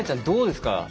どうですか？